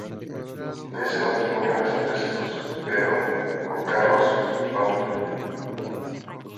De ese matrimonio nacen tres hijos: Pedro, Juan Carlos y Paulina.